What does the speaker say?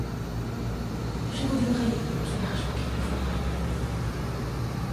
Je vous donnerai tout l’argent qu’il vous faudra.